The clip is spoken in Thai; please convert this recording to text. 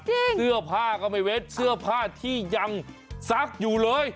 เสื้อผ้าก็ไม่เว้นเสื้อผ้าที่ยังซักอยู่เลย